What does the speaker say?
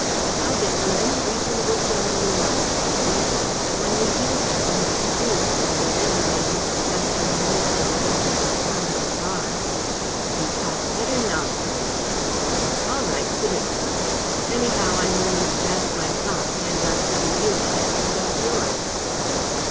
I'll bet you any reasonable sum you like, at evens, that when we do have him it's proved that at any rate Mr. Paxton knows where the duchess's diamonds are." "You talk utter nonsense." "All right, put it so. Anyhow, I'm willing to back my talk. And I'm giving you a chance to back yours."